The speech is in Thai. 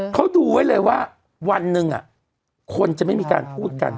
เขาดูไว้เลยว่าวันหนึ่งคนจะไม่มีการพูดกัน